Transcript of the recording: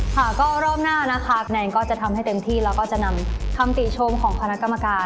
ค่ะก็รอบหน้านะคะแนนก็จะทำให้เต็มที่แล้วก็จะนำคำติชมของคณะกรรมการ